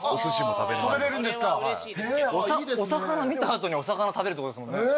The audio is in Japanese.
お魚見た後にお魚食べるってことですもんね。